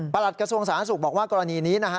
กระทรวงสาธารณสุขบอกว่ากรณีนี้นะฮะ